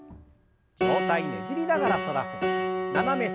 上体ねじりながら反らせて斜め下